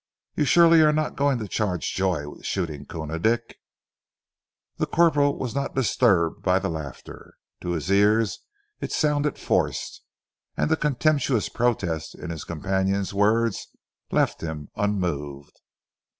"You surely are not going to charge Joy with shooting Koona Dick?" The corporal was not disturbed by the laughter. To his ears it sounded forced, and the contemptuous protest in his companion's words left him unmoved.